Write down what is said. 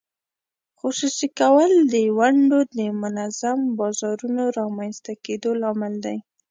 خصوصي کول د ونډو د منظم بازارونو رامینځته کېدو لامل دی.